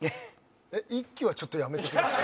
一気はちょっとやめてください。